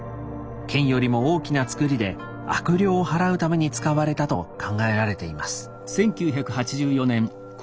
剣よりも大きな作りで悪霊を払うために使われたと考えられています。